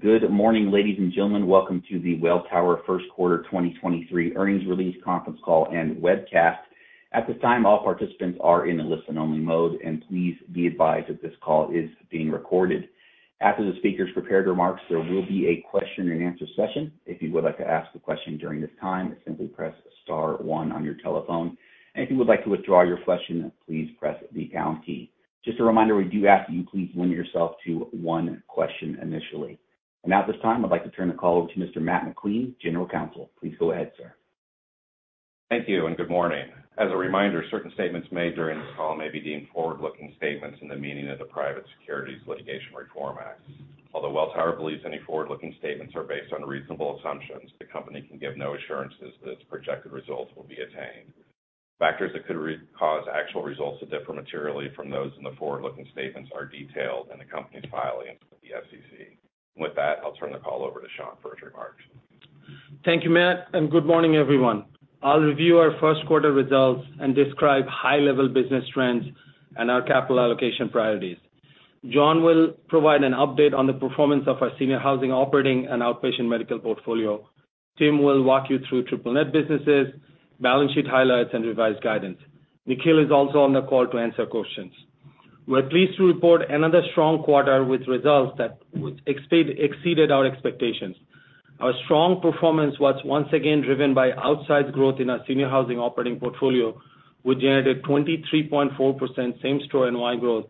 Good morning, ladies and gentlemen. Welcome to the Welltower First Quarter 2023 Earnings Release Conference Call and Webcast. At this time, all participants are in a listen-only mode. Please be advised that this call is being recorded. After the speaker's prepared remarks, there will be a question and answer session. If you would like to ask a question during this time, simply press star one on your telephone. If you would like to withdraw your question, please press the pound key. Just a reminder, we do ask that you please limit yourself to one question initially. Now at this time, I'd like to turn the call over to Mr. Matt McQueen, General Counsel. Please go ahead, sir. Thank you, and good morning. As a reminder, certain statements made during this call may be deemed forward-looking statements in the meaning of the Private Securities Litigation Reform Act. Although Welltower believes any forward-looking statements are based on reasonable assumptions, the company can give no assurances that its projected results will be attained. Factors that could cause actual results to differ materially from those in the forward-looking statements are detailed in the company's filings with the SEC. With that, I'll turn the call over to Shankh for his remarks. Thank you, Matt. Good morning, everyone. I'll review our Q1 results and describe high-level business trends and our capital allocation priorities. John will provide an update on the performance of our senior housing operating and outpatient medical portfolio. Tim will walk you through triple net businesses, balance sheet highlights, and revised guidance. Nikhil is also on the call to answer questions. We're pleased to report another strong quarter with results that exceeded our expectations. Our strong performance was once again driven by outsized growth in our senior housing operating portfolio, which generated 23.4% same-store NOI growth,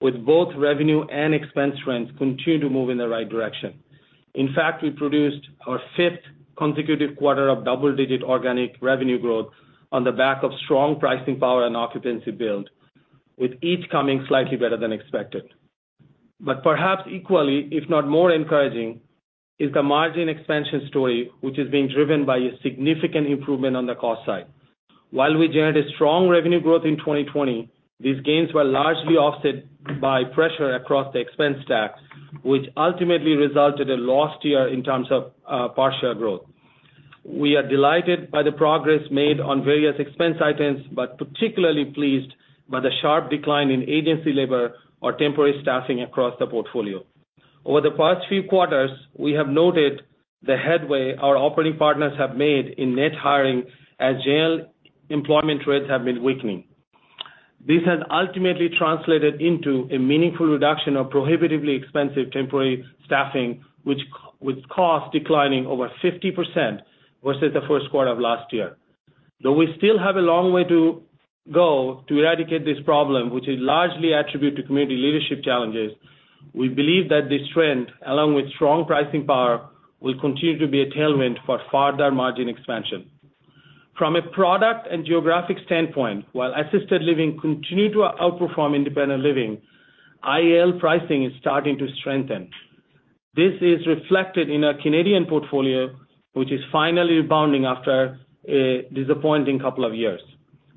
with both revenue and expense trends continuing to move in the right direction. In fact, we produced our fifth consecutive quarter of double-digit organic revenue growth on the back of strong pricing power and occupancy build, with each coming slightly better than expected. Perhaps equally, if not more encouraging, is the margin expansion story, which is being driven by a significant improvement on the cost side. While we generated strong revenue growth in 2020, these gains were largely offset by pressure across the expense stack, which ultimately resulted in lost year in terms of per share growth. We are delighted by the progress made on various expense items, but particularly pleased by the sharp decline in agency labor or temporary staffing across the portfolio. Over the past few quarters, we have noted the headway our operating partners have made in net hiring as jail employment rates have been weakening. This has ultimately translated into a meaningful reduction of prohibitively expensive temporary staffing, which with cost declining over 50% versus the Q1 of last year. Though we still have a long way to go to eradicate this problem, which is largely attributed to community leadership challenges, we believe that this trend, along with strong pricing power, will continue to be a tailwind for further margin expansion. From a product and geographic standpoint, while assisted living continue to outperform independent living, IL pricing is starting to strengthen. This is reflected in our Canadian portfolio, which is finally rebounding after a disappointing couple of years.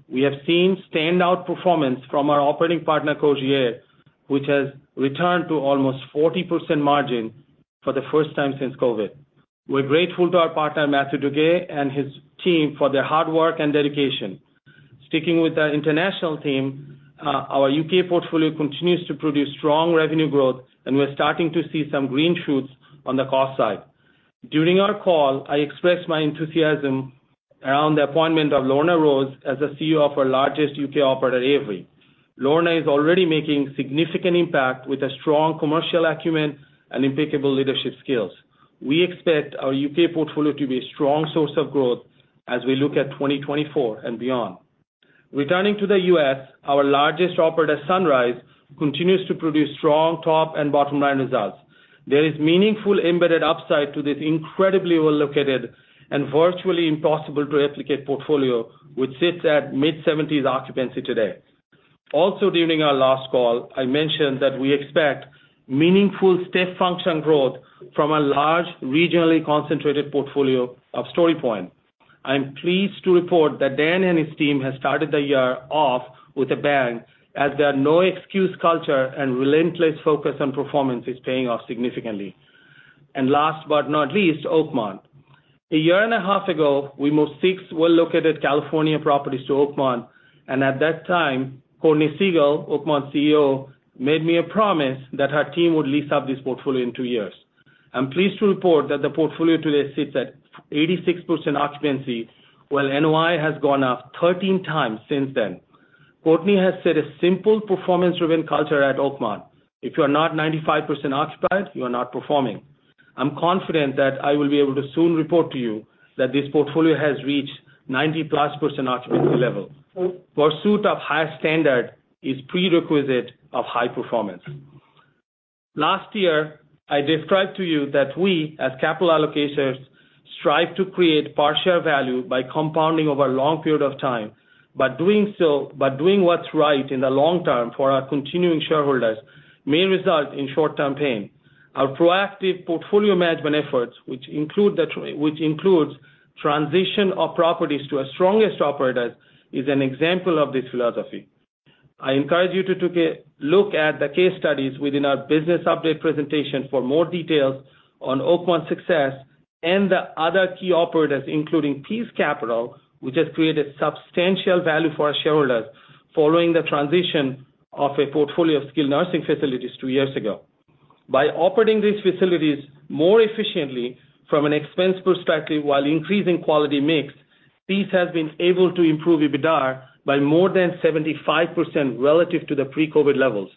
We have seen standout performance from our operating partner, Cogir, which has returned to almost 40% margin for the first time since COVID. We're grateful to our partner, Mathieu Duguay, and his team for their hard work and dedication. Sticking with our international team, our U.K. portfolio continues to produce strong revenue growth, and we're starting to see some green shoots on the cost side. During our call, I expressed my enthusiasm around the appointment of Lorna Rose as the CEO of our largest UK operator, Avery. Lorna is already making significant impact with a strong commercial acumen and impeccable leadership skills. We expect our UK portfolio to be a strong source of growth as we look at 2024 and beyond. Returning to the U.S., our largest operator, Sunrise, continues to produce strong top and bottom-line results. There is meaningful embedded upside to this incredibly well-located and virtually impossible to replicate portfolio, which sits at mid-70s occupancy today. Also, during our last call, I mentioned that we expect meaningful step function growth from a large regionally concentrated portfolio of StoryPoint. I am pleased to report that Dan and his team has started the year off with a bang as their no-excuse culture and relentless focus on performance is paying off significantly. Last but not least, Oakmont. A year and a half ago, we moved six well-located California properties to Oakmont, and at that time, Courtney Siegel, Oakmont's CEO, made me a promise that her team would lease up this portfolio in two years. I'm pleased to report that the portfolio today sits at 86% occupancy, while NOI has gone up 13 times since then. Courtney has set a simple performance-driven culture at Oakmont. If you are not 95% occupied, you are not performing. I'm confident that I will be able to soon report to you that this portfolio has reached 90-plus% occupancy level. Pursuit of high standard is prerequisite of high performance. Last year, I described to you that we, as capital allocators, strive to create per share value by compounding over a long period of time. By doing what's right in the long term for our continuing shareholders may result in short-term pain. Our proactive portfolio management efforts, which includes transition of properties to our strongest operators, is an example of this philosophy. I encourage you to take a look at the case studies within our business update presentation for more details on Oakmont's success and the other key operators, including Peace Capital, which has created substantial value for our shareholders. Following the transition of a portfolio of skilled nursing facilities two years ago. By operating these facilities more efficiently from an expense perspective while increasing quality mix, Peace has been able to improve EBITDA by more than 75% relative to the pre-COVID levels.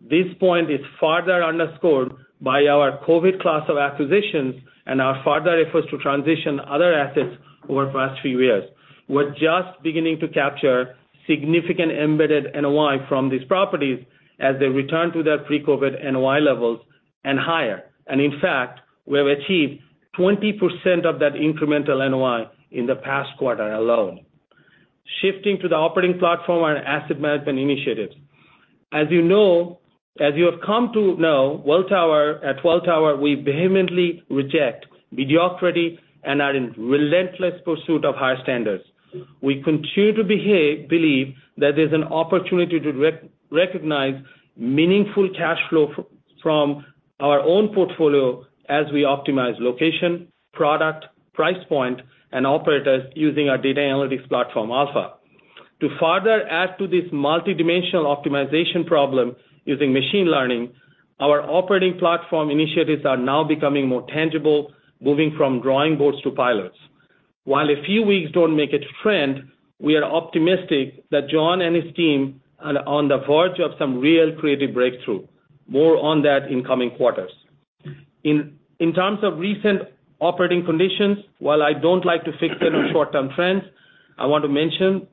This point is further underscored by our COVID class of acquisitions and our further efforts to transition other assets over the past few years. We're just beginning to capture significant embedded NOI from these properties as they return to their pre-COVID NOI levels and higher. In fact, we have achieved 20% of that incremental NOI in the past quarter alone. Shifting to the operating platform and asset management initiatives. As you have come to know, at Welltower, we vehemently reject mediocrity and are in relentless pursuit of high standards. We continue to believe that there's an opportunity to recognize meaningful cash flow from our own portfolio as we optimize location, product, price point, and operators using our data analytics platform, Alpha. To further add to this multidimensional optimization problem using machine learning, our operating platform initiatives are now becoming more tangible, moving from drawing boards to pilots. While a few weeks don't make a trend, we are optimistic that John and his team are on the verge of some real creative breakthrough. More on that in coming quarters. In terms of recent operating conditions, while I don't like to fixate on short-term trends, I want to mention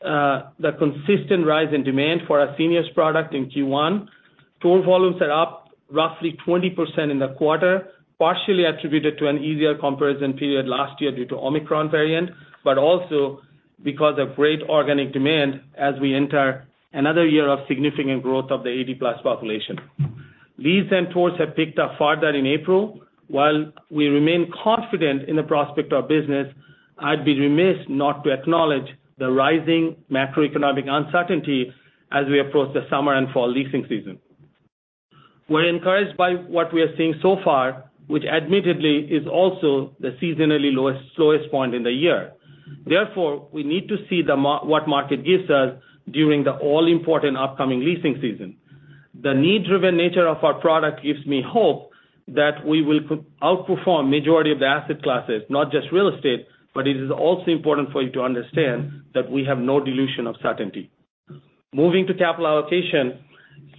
the consistent rise in demand for our seniors product in Q1. Tour volumes are up roughly 20% in the quarter, partially attributed to an easier comparison period last year due to Omicron variant, also because of great organic demand as we enter another year of significant growth of the 80 plus population. Leads and tours have picked up further in April. While we remain confident in the prospect of business, I'd be remiss not to acknowledge the rising macroeconomic uncertainty as we approach the summer and fall leasing season. We're encouraged by what we are seeing so far, which admittedly is also the seasonally slowest point in the year. We need to see what market gives us during the all-important upcoming leasing season. The need-driven nature of our product gives me hope that we will outperform majority of the asset classes, not just real estate, but it is also important for you to understand that we have no delusion of certainty. Moving to capital allocation.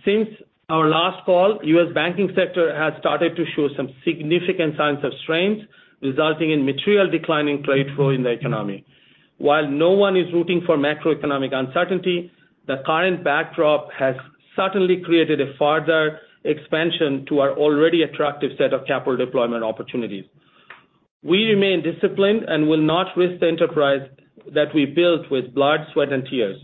Since our last call, U.S. banking sector has started to show some significant signs of strength, resulting in material decline in trade flow in the economy. No one is rooting for macroeconomic uncertainty, the current backdrop has certainly created a further expansion to our already attractive set of capital deployment opportunities. We remain disciplined and will not risk the enterprise that we built with blood, sweat, and tears,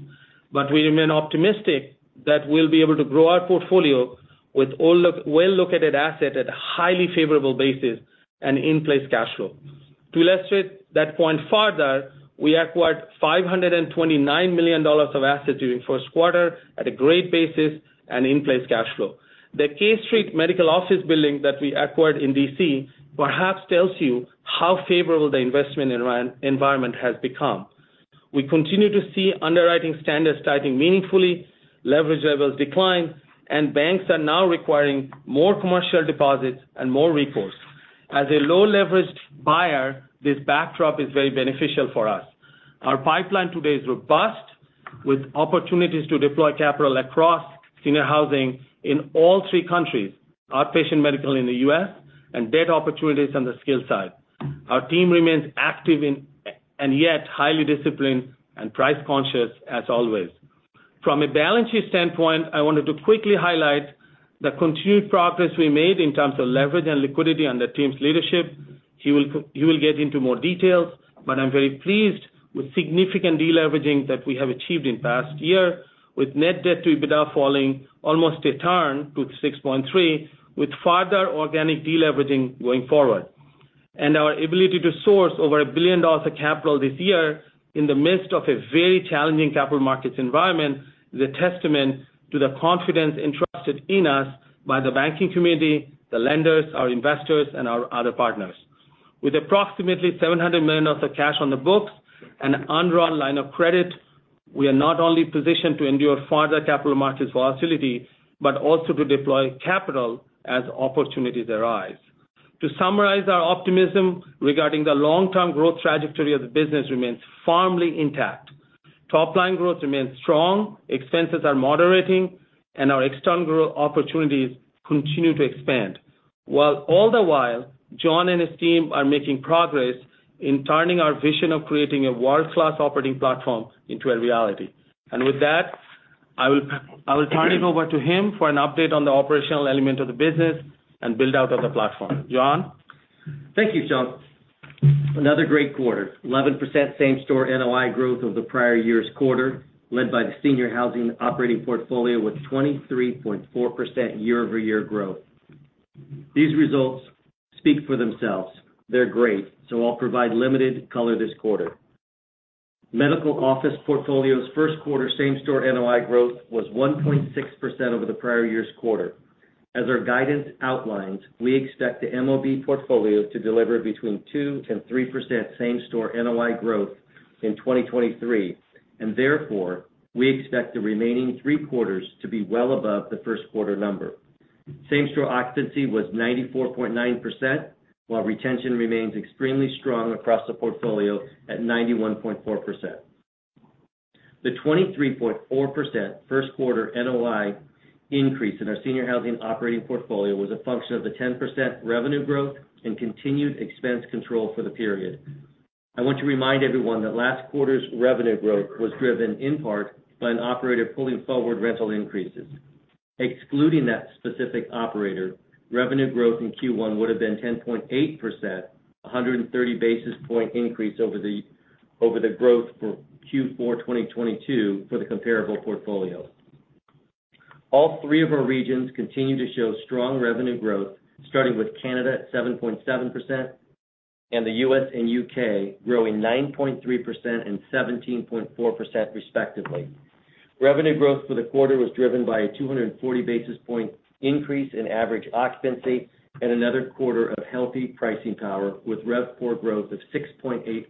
but we remain optimistic that we'll be able to grow our portfolio with all the well-located asset at a highly favorable basis and in-place cash flow. To illustrate that point further, we acquired $529 million of assets during Q1 at a great basis and in-place cash flow. The K Street medical office building that we acquired in D.C. perhaps tells you how favorable the investment environment has become. We continue to see underwriting standards tightening meaningfully, leverage levels decline, and banks are now requiring more commercial deposits and more recourse. As a low-leveraged buyer, this backdrop is very beneficial for us. Our pipeline today is robust with opportunities to deploy capital across senior housing in all three countries, outpatient medical in the U.S., and debt opportunities on the skilled side. Our team remains active and yet highly disciplined and price-conscious as always. From a balance sheet standpoint, I wanted to quickly highlight the continued progress we made in terms of leverage and liquidity under Tim's leadership. He will get into more details, but I'm very pleased with significant deleveraging that we have achieved in past year with net debt to EBITDA falling almost a turn to 6.3, with further organic deleveraging going forward. Our ability to source over $1 billion of capital this year in the midst of a very challenging capital markets environment is a testament to the confidence entrusted in us by the banking community, the lenders, our investors, and our other partners. With approximately $700 million of cash on the books and undrawn line of credit, we are not only positioned to endure further capital markets volatility, but also to deploy capital as opportunities arise. To summarize our optimism regarding the long-term growth trajectory of the business remains firmly intact. Topline growth remains strong, expenses are moderating, and our external growth opportunities continue to expand. All the while, John and his team are making progress in turning our vision of creating a world-class operating platform into a reality. With that, I will turn it over to him for an update on the operational element of the business and build out of the platform. John? Thank you, Shankh. Another great quarter. 11% same-store NOI growth over the prior year's quarter, led by the senior housing operating portfolio with 23.4% year-over-year growth. These results speak for themselves. They're great. I'll provide limited color this quarter. Medical office portfolio's Q1 same-store NOI growth was 1.6% over the prior year's quarter. As our guidance outlines, we expect the MOB portfolio to deliver between 2% and 3% same-store NOI growth in 2023. Therefore, we expect the remaining three quarters to be well above the Q1 number. Same-store occupancy was 94.9%, while retention remains extremely strong across the portfolio at 91.4%. The 23.4% Q1 NOI increase in our senior housing operating portfolio was a function of the 10% revenue growth and continued expense control for the period. I want to remind everyone that last quarter's revenue growth was driven in part by an operator pulling forward rental increases. Excluding that specific operator, revenue growth in Q1 would have been 10.8%, a 130 basis point increase over the growth for Q4 2022 for the comparable portfolio. All three of our regions continue to show strong revenue growth, starting with Canada at 7.7%, and the U.S. and U.K. growing 9.3% and 17.4% respectively. Revenue growth for the quarter was driven by a 240 basis point increase in average occupancy and another quarter of healthy pricing power with RevPOR growth of 6.8%.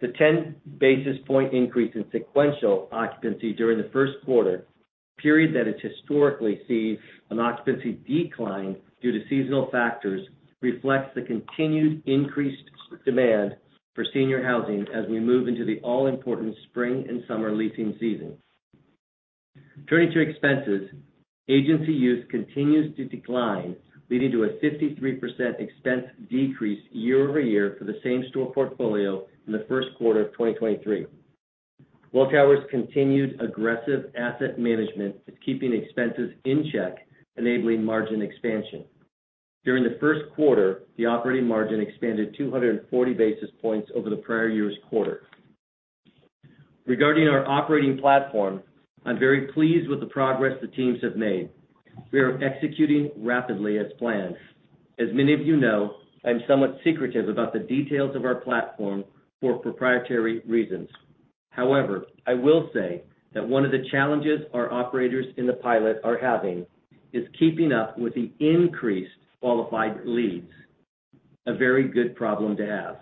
The 10 basis point increase in sequential occupancy during the Q1, a period that has historically seen an occupancy decline due to seasonal factors, reflects the continued increased demand for senior housing as we move into the all-important spring and summer leasing season. Turning to expenses, agency use continues to decline, leading to a 53% expense decrease year-over-year for the same-store portfolio in the Q1 of 2023. Welltower's continued aggressive asset management is keeping expenses in check, enabling margin expansion. During the Q1, the operating margin expanded 240 basis points over the prior year's quarter. Regarding our operating platform, I'm very pleased with the progress the teams have made. We are executing rapidly as planned. As many of you know, I'm somewhat secretive about the details of our platform for proprietary reasons. I will say that one of the challenges our operators in the pilot are having is keeping up with the increased qualified leads. A very good problem to have.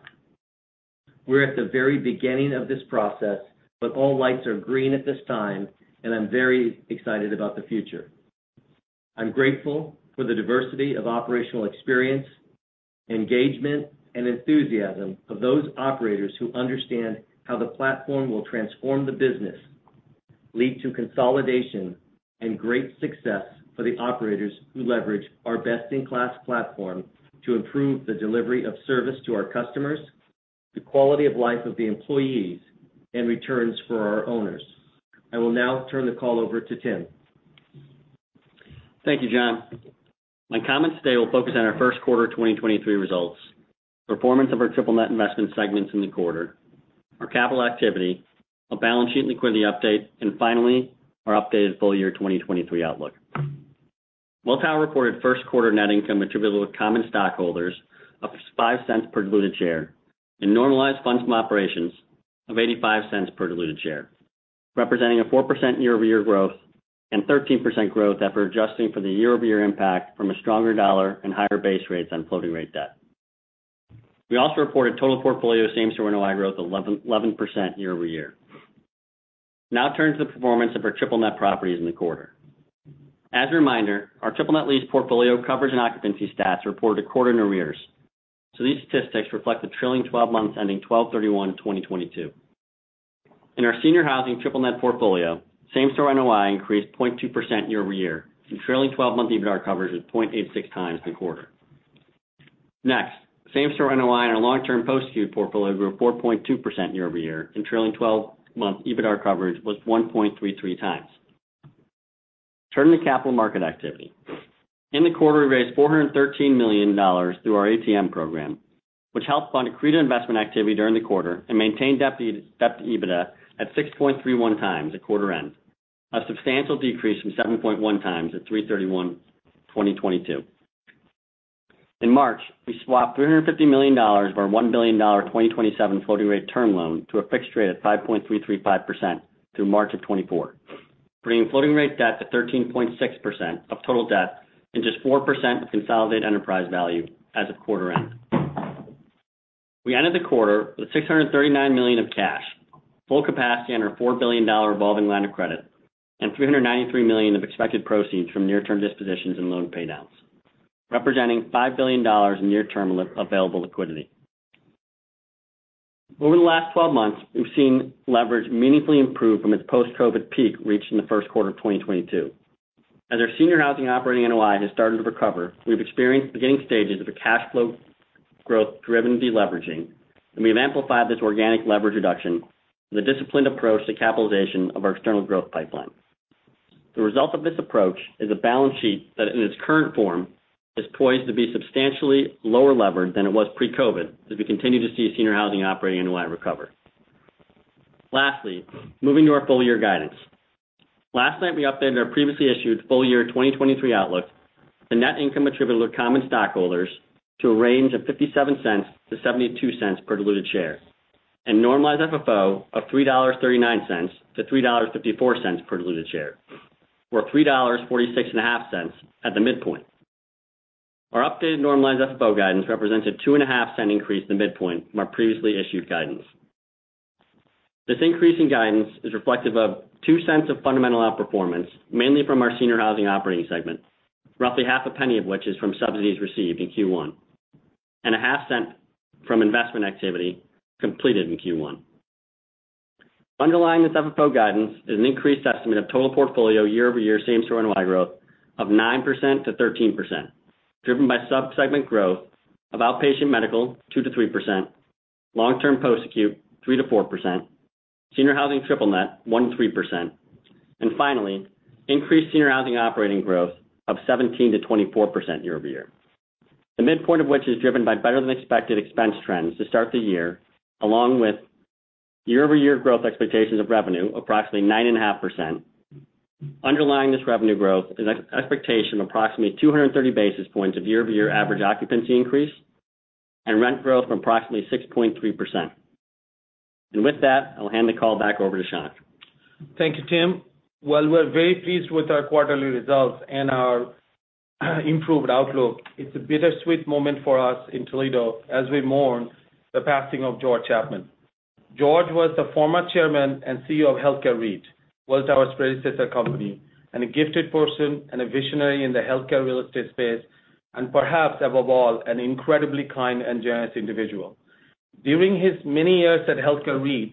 We're at the very beginning of this process. All lights are green at this time. I'm very excited about the future. I'm grateful for the diversity of operational experience, engagement, and enthusiasm of those operators who understand how the platform will transform the business, lead to consolidation, and great success for the operators who leverage our best-in-class platform to improve the delivery of service to our customers, the quality of life of the employees, and returns for our owners. I will now turn the call over to Tim. Thank you, John. My comments today will focus on our Q1 2023 results, performance of our triple net investment segments in the quarter, our capital activity, a balance sheet liquidity update, and finally, our updated full year 2023 outlook. Welltower reported Q1 net income attributable to common stockholders of $0.05 per diluted share and normalized funds from operations of $0.85 per diluted share, representing a 4% year-over-year growth and 13% growth after adjusting for the year-over-year impact from a stronger dollar and higher base rates on floating rate debt. We also reported total portfolio same-store NOI growth of 11% year-over-year. Turning to the performance of our triple net properties in the quarter. As a reminder, our triple net lease portfolio coverage and occupancy stats are reported a quarter in arrears, so these statistics reflect the trailing twelve months ending 12/31/2022. In our senior housing triple net portfolio, same-store NOI increased 0.2% year-over-year, and trailing twelve-month EBITDA coverage was 0.86 times in the quarter. Same-store NOI in our long-term post-acute portfolio grew 4.2% year-over-year, and trailing twelve-month EBITDA coverage was 1.33 times. Turning to capital market activity. In the quarter, we raised $413 million through our ATM program, which helped fund accretive investment activity during the quarter and maintained debt to EBITDA at 6.31 times at quarter end, a substantial decrease from 7.1 times at 3/31/2022. In March, we swapped $350 million of our $1 billion 2027 floating rate term loan to a fixed rate of 5.335% through March of 2024, bringing floating rate debt to 13.6% of total debt and just 4% of consolidated enterprise value as of quarter end. We ended the quarter with $639 million of cash, full capacity on our $4 billion revolving line of credit, and $393 million of expected proceeds from near-term dispositions and loan paydowns, representing $5 billion in near-term available liquidity. Over the last 12 months, we've seen leverage meaningfully improve from its post-COVID peak reached in the Q1 of 2022. As our senior housing operating NOI has started to recover, we've experienced beginning stages of a cash flow growth driven deleveraging. We've amplified this organic leverage reduction with a disciplined approach to capitalization of our external growth pipeline. The result of this approach is a balance sheet that, in its current form, is poised to be substantially lower levered than it was pre-COVID as we continue to see senior housing operating NOI recover. Lastly, moving to our full year guidance. Last night, we updated our previously issued full year 2023 outlook, the net income attributable to common stockholders, to a range of $0.57-$0.72 per diluted share. Normalized FFO of $3.39-$3.54 per diluted share, or $3.465 at the midpoint. Our updated normalized FFO guidance represents a two and a half cent increase in the midpoint from our previously issued guidance. This increase in guidance is reflective of $0.02 of fundamental outperformance, mainly from our senior housing operating segment, roughly half a penny of which is from subsidies received in Q1, and a half cent from investment activity completed in Q1. Underlying this FFO guidance is an increased estimate of total portfolio year-over-year same store NOI growth of 9%-13%, driven by sub-segment growth of outpatient medical 2%-3%, long-term post-acute 3%-4%, senior housing triple net 1%-3%. Finally, increased senior housing operating growth of 17%-24% year-over-year. The midpoint of which is driven by better than expected expense trends to start the year, along with year-over-year growth expectations of revenue, approximately 9.5%. Underlying this revenue growth is expectation of approximately 230 basis points of year-over-year average occupancy increase and rent growth from approximately 6.3%. With that, I'll hand the call back over to Shankh. Thank you, Tim. While we're very pleased with our quarterly results and our improved outlook, it's a bittersweet moment for us in Toledo as we mourn the passing of George Chapman. George was the former Chairman and CEO of Health Care REIT, Welltower's predecessor company, and a gifted person and a visionary in the healthcare real estate space, and perhaps above all, an incredibly kind and generous individual. During his many years at Health Care REIT,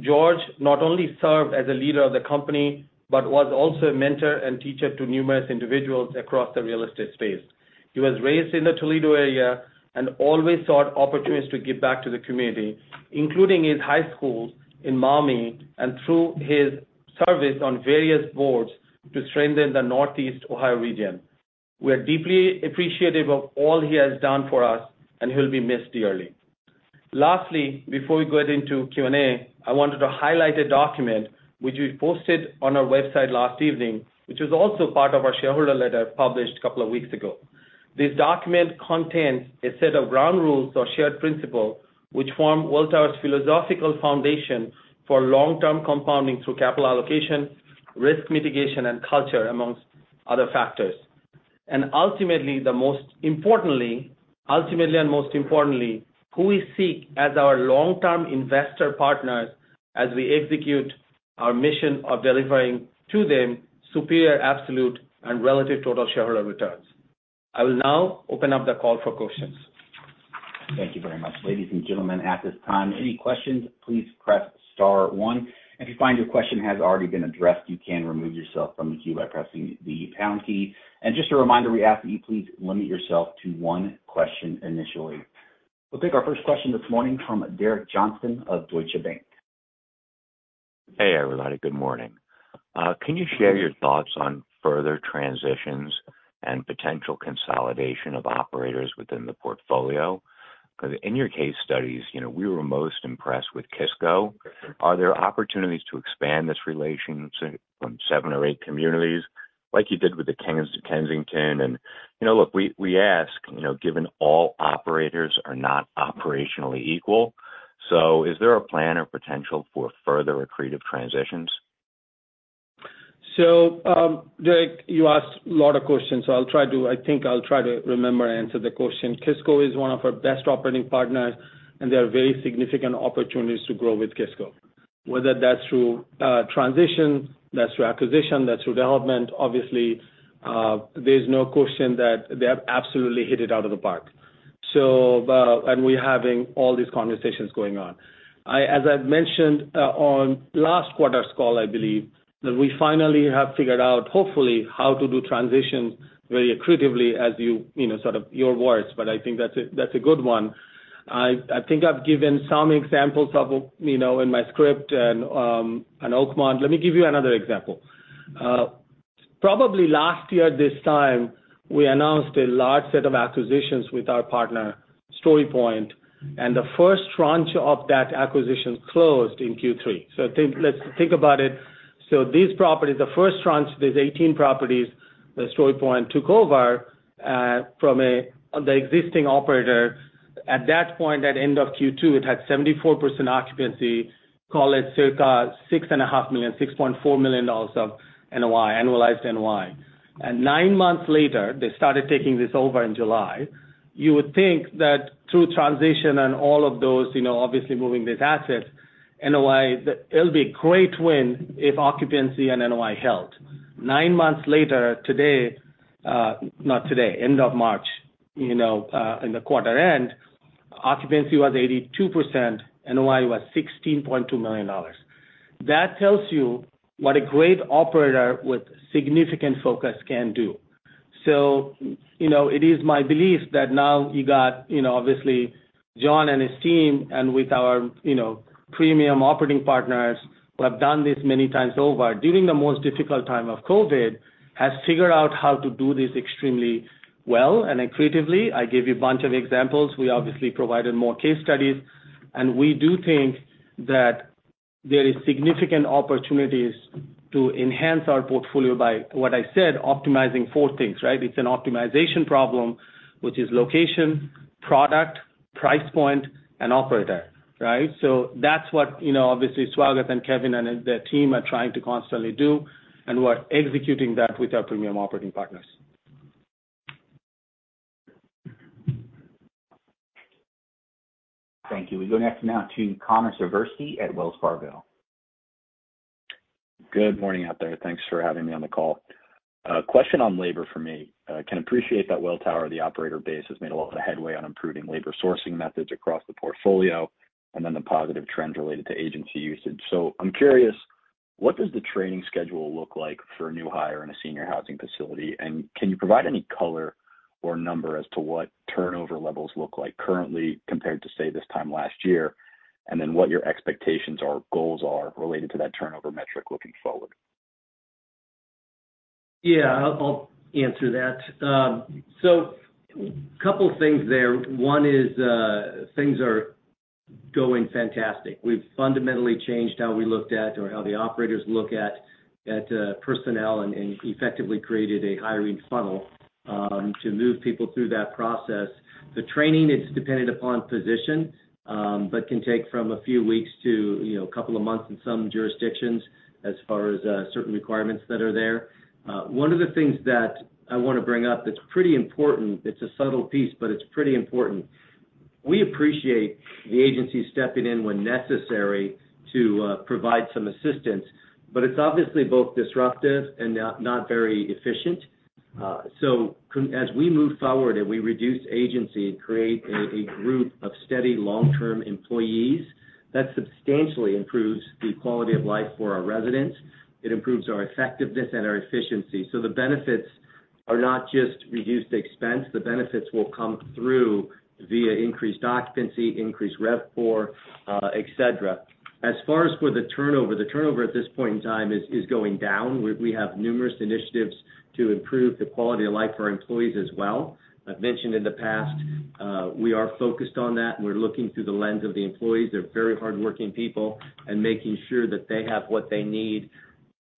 George not only served as a leader of the company, but was also a mentor and teacher to numerous individuals across the real estate space. He was raised in the Toledo area and always sought opportunities to give back to the community, including his high school in Maumee and through his service on various boards to strengthen the Northeast Ohio region. We are deeply appreciative of all he has done for us, and he'll be missed dearly. Lastly, before we get into Q&A, I wanted to highlight a document which we posted on our website last evening, which is also part of our shareholder letter published a couple of weeks ago. This document contains a set of ground rules or shared principles which form Welltower's philosophical foundation for long-term compounding through capital allocation, risk mitigation, and culture amongst other factors. Ultimately, and most importantly, who we seek as our long-term investor partners as we execute our mission of delivering to them superior absolute and relative total shareholder returns. I will now open up the call for questions. Thank you very much. Ladies and gentlemen, at this time, any questions, please press star one. If you find your question has already been addressed, you can remove yourself from the queue by pressing the pound key. Just a reminder, we ask that you please limit yourself to one question initially. We'll take our first question this morning from Derek Johnston of Deutsche Bank. Hey, everybody. Good morning. Can you share your thoughts on further transitions and potential consolidation of operators within the portfolio? 'Cause in your case studies, you know, we were most impressed with Kisco. Are there opportunities to expand this relationship from seven or eight communities like you did with the Kensington? You know, look, we ask, you know, given all operators are not operationally equal, is there a plan or potential for further accretive transitions? Derek, you asked a lot of questions, so I think I'll try to remember and answer the question. Kisco is one of our best operating partners, and there are very significant opportunities to grow with Kisco. Whether that's through transition, that's through acquisition, that's through development, obviously, there's no question that they have absolutely hit it out of the park. We're having all these conversations going on. As I've mentioned on last quarter's call, I believe, that we finally have figured out, hopefully, how to do transitions very accretively as you know, sort of your words, but I think that's a, that's a good one. I think I've given some examples of, you know, in my script and on Oakmont. Let me give you another example. Probably last year this time, we announced a large set of acquisitions with our partner, StoryPoint, and the first tranche of that acquisition closed in Q3. Let's think about it. These properties, the first tranche, there's 18 properties that StoryPoint took over from the existing operator. At that point, at end of Q2, it had 74% occupancy, call it circa six and a half million, $6.4 million of NOI, annualized NOI. Nine months later, they started taking this over in July. You would think that through transition and all of those, you know, obviously moving this asset, NOI, that it'll be a great win if occupancy and NOI held. Nine months later today, not today, end of March, you know, in the quarter end, occupancy was 82%, NOI was $16.2 million. That tells you what a great operator with significant focus can do. It is my belief that now you got, you know, obviously John and his team and with our, you know, premium operating partners who have done this many times over, during the most difficult time of COVID, has figured out how to do this extremely well and accretively. I gave you a bunch of examples. We obviously provided more case studies. We do think there is significant opportunities to enhance our portfolio by what I said, optimizing four things, right? It's an optimization problem, which is location, product, price point, and operator, right? That's what, you know, obviously Swagat and Kevin and the team are trying to constantly do, and we're executing that with our premium operating partners. Thank you. We go next now to Connor Siversky at Wells Fargo. Good morning out there. Thanks for having me on the call. Question on labor for me? Can appreciate that Welltower, the operator base, has made a lot of headway on improving labor sourcing methods across the portfolio, and then the positive trends related to agency usage. I'm curious, what does the training schedule look like for a new hire in a senior housing facility? Can you provide any color or number as to what turnover levels look like currently compared to, say, this time last year? What your expectations or goals are related to that turnover metric looking forward? Yeah, I'll answer that. Couple things there. One is, things are going fantastic. We've fundamentally changed how we looked at or how the operators look at personnel and effectively created a hiring funnel to move people through that process. The training is dependent upon position, but can take from a few weeks to, you know, a couple of months in some jurisdictions as far as certain requirements that are there. One of the things that I wanna bring up that's pretty important, it's a subtle piece, but it's pretty important. We appreciate the agency stepping in when necessary to provide some assistance, but it's obviously both disruptive and not very efficient. As we move forward and we reduce agency and create a group of steady long-term employees, that substantially improves the quality of life for our residents. It improves our effectiveness and our efficiency. The benefits are not just reduced expense. The benefits will come through via increased occupancy, increased RevPOR, et cetera. As far as for the turnover, the turnover at this point in time is going down. We have numerous initiatives to improve the quality of life for our employees as well. I've mentioned in the past, we are focused on that. We're looking through the lens of the employees. They're very hardworking people, and making sure that they have what they need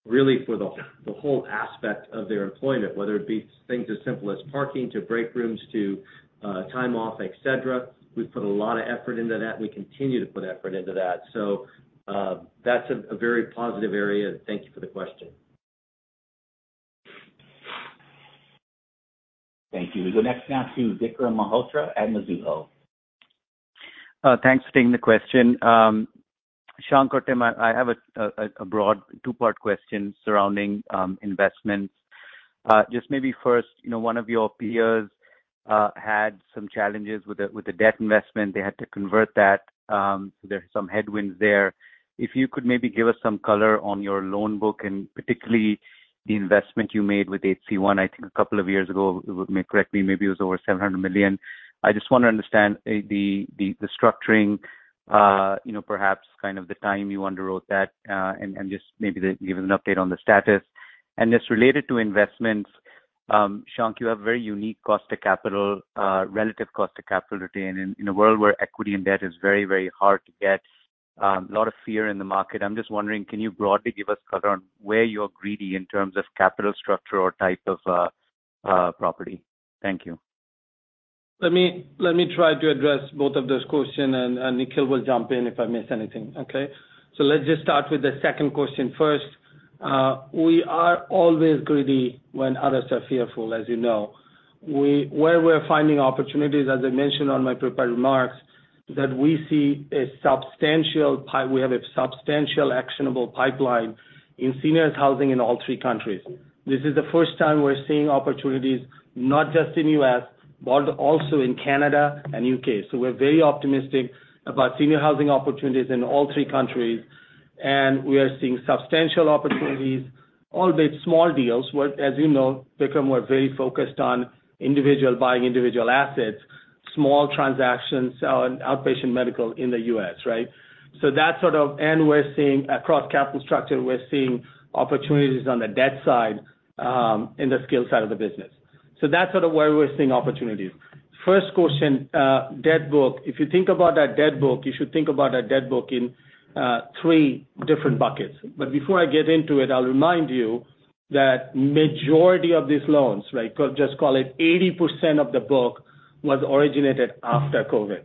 really for the whole aspect of their employment, whether it be things as simple as parking to break rooms to time off, et cetera. We've put a lot of effort into that. We continue to put effort into that. That's a very positive area. Thank you for the question. Thank you. We go next now to Vikram Malhotra at Mizuho. Thanks for taking the question. Shankh or Tim, I have a broad two-part question surrounding investments. Just maybe first, you know, one of your peers had some challenges with the debt investment. They had to convert that, so there's some headwinds there. If you could maybe give us some color on your loan book, and particularly the investment you made with HC-One, I think a couple of years ago, if correct me, maybe it was over $700 million. I just want to understand the structuring, you know, perhaps kind of the time you underwrote that, and just maybe give us an update on the status. Just related to investments, Shankh, you have very unique cost to capital, relative cost to capital today in a world where equity and debt is very, very hard to get, a lot of fear in the market. I'm just wondering, can you broadly give us color on where you're greedy in terms of capital structure or type of property? Thank you. Let me try to address both of those question, and Nikhil will jump in if I miss anything, okay? Let's just start with the second question first. We are always greedy when others are fearful, as you know. Where we're finding opportunities, as I mentioned on my prepared remarks, that we have a substantial actionable pipeline in seniors housing in all three countries. This is the first time we're seeing opportunities not just in U.S., but also in Canada and U.K. We're very optimistic about senior housing opportunities in all three countries, and we are seeing substantial opportunities, albeit small deals. As you know, Vikram, we're very focused on individual buying individual assets, small transactions, in outpatient medical in the U.S., right? We're seeing across capital structure, we're seeing opportunities on the debt side in the skilled side of the business. That's sort of where we're seeing opportunities. First question, debt book. If you think about that debt book, you should think about that debt book in three different buckets. Before I get into it, I'll remind you that majority of these loans, right, just call it 80% of the book was originated after COVID.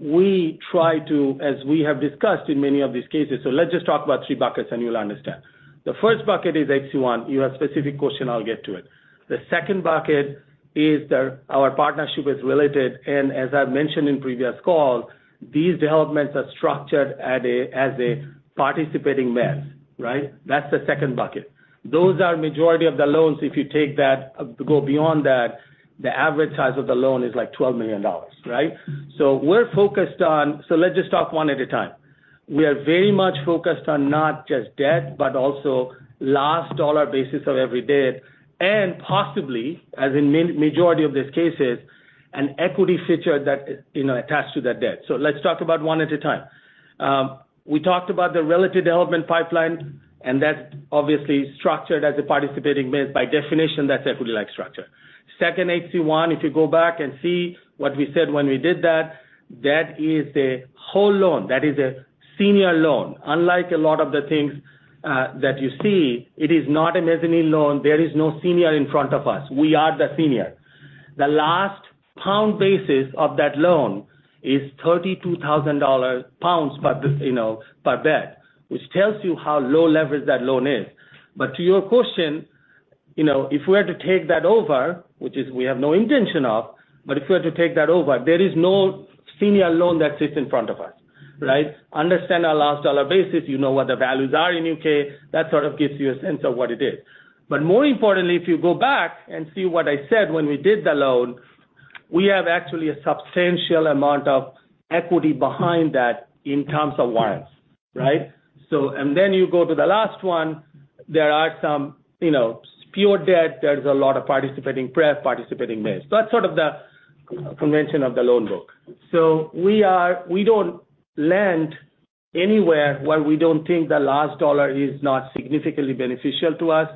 We try to, as we have discussed in many of these cases, let's just talk about three buckets and you'll understand. The first bucket is HC-One. You have specific question, I'll get to it. The second bucket is our partnership with Related, and as I've mentioned in previous calls, these developments are structured as a participating mezz, right? That's the second bucket. Those are majority of the loans if you go beyond that, the average size of the loan is like $12 million, right? Let's just talk one at a time. We are very much focused on not just debt, but also last dollar basis of every debt, and possibly, as in majority of these cases, an equity feature that, you know, attached to that debt. Let's talk about one at a time. We talked about the Related development pipeline, that's obviously structured as a participating mezz. By definition, that's equity-like structure. Second HC-One, if you go back and see what we said when we did that is a whole loan. That is a senior loan. Unlike a lot of the things that you see, it is not a mezzanine loan. There is no senior in front of us. We are the senior. The last pound basis of that loan is 32,000 pounds per, you know, per debt, which tells you how low leverage that loan is. To your question, you know, if we had to take that over, which is we have no intention of, but if we had to take that over, there is no senior loan that sits in front of us, right? Understand our last dollar basis, you know what the values are in U.K., that sort of gives you a sense of what it is. More importantly, if you go back and see what I said when we did the loan, we have actually a substantial amount of equity behind that in terms of warrants, right? You go to the last one, there are some, you know, pure debt. There's a lot of participating pref, participating mezz. That's sort of the convention of the loan book. We don't lend anywhere where we don't think the last dollar is not significantly beneficial to us.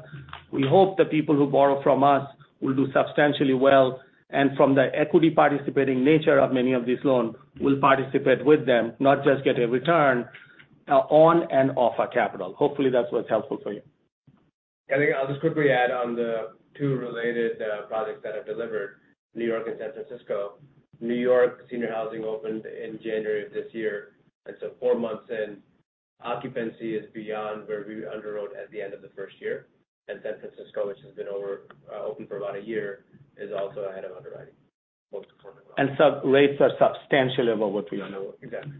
We hope the people who borrow from us will do substantially well. From the equity participating nature of many of this loan, we'll participate with them, not just get a return on and off our capital. Hopefully, that's what's helpful for you. I think I'll just quickly add on the two related projects that I've delivered, New York and San Francisco. New York Senior Housing opened in January of this year. Four months in, occupancy is beyond where we underwrote at the end of the first year. San Francisco, which has been open for about a year, is also ahead of underwriting both Rates are substantially above what we underwrote. Exactly.